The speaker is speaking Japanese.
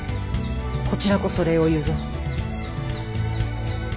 こちらこそ礼を言うぞ。